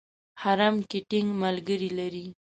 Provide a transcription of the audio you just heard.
حرم کې ټینګ ملګري لري.